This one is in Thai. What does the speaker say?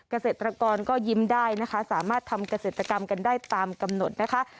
เกษตรกรก็ยิ้มได้นะคะสามารถทำเกษตรกรรมกันได้ตามกำหนดนะคะ